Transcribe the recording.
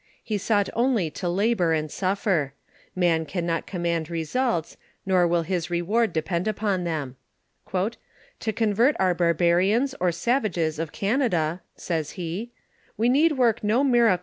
He sought only to labor and suffer; man can not command results, nor will his reward depend upon them. "To convert our barbarian^ or savage^ of Cat ada," says he, " we need work no miracle but that <•■«* ■f ■^T \^.